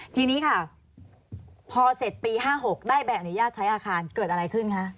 ทีนี้ค่ะพอเสร็จปี๕๖ได้ใบอนุญาตใช้อาคารเกิดอะไรขึ้นคะ